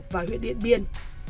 và huyện điện biên